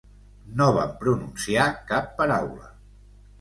No vam pronunciar cap paraula.